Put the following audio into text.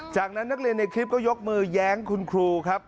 จากนั้นนักเรียนในคลิปก็ยกมือแย้งคุณครูครับ